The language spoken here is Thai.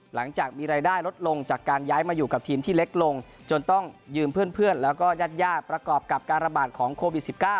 หลังจากมีรายได้ลดลงจากการย้ายมาอยู่กับทีมที่เล็กลงจนต้องยืมเพื่อนแล้วก็ญาติประกอบกับการระบาดของโควิด๑๙